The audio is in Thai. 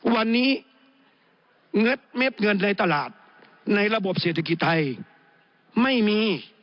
วันนี้เงินเม็ดเงินในตลาดในระบบเศรษฐกิจไทยไม่มี